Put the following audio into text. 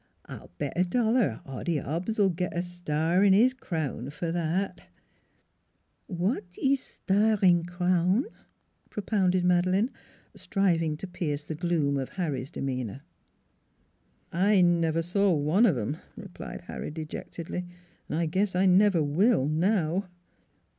" I'll bet a dollar Hoddy Hobbs '11 get a star in his crown fer that !" "Wat ees star in crown? " propounded Made leine, striving to pierce the gloom of Harry's demeanor. " I never saw one of 'em," replied Harry de jectedly, " an' I guess I never will now."